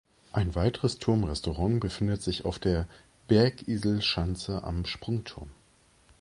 Ein weiteres Turmrestaurant befindet sich auf der Bergiselschanze am Sprungturm.